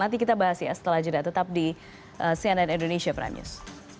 nanti kita bahas ya setelah jeda tetap di cnn indonesia prime news